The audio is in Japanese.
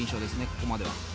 ここまでは。